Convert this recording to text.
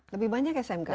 lebih banyak smk saat ini